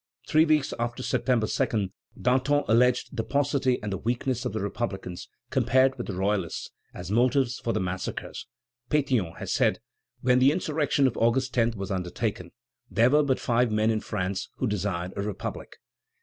Three weeks after September 2, Danton alleged the paucity and the weakness of the republicans, compared with the royalists, as motives for the massacres. Pétion has said: "When the insurrection of August 10 was undertaken, there were but five men in France who desired a republic."